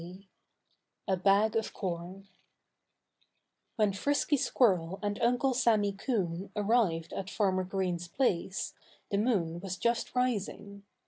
IX A Bag of Corn When Frisky Squirrel and Uncle Sammy Coon arrived at Farmer Green's place, the moon was just rising.